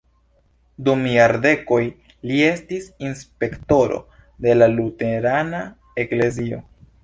Dum jardekoj li estis inspektoro de la luterana eklezio.